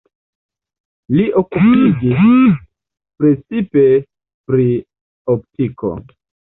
Li okupiĝis precipe pri optiko.